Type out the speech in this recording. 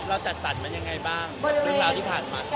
เราจัดสรรค์มันยังไงบ้างบริเวณการกลางลำตัว